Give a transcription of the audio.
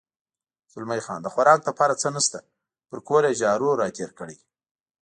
زلمی خان: د خوراک لپاره څه نشته، پر کور یې جارو را تېر کړی.